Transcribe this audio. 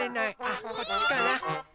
あっこっちかな。